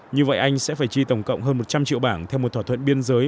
như vậy anh sẽ phải chi tổng cộng hơn một trăm linh triệu bảng theo một thỏa thuận biên giới